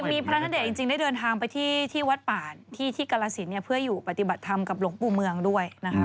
มีพระณเดชนจริงได้เดินทางไปที่วัดป่านที่กรสินเพื่ออยู่ปฏิบัติธรรมกับหลวงปู่เมืองด้วยนะคะ